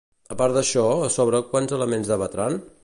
A part d'això, sobre quants elements debatran?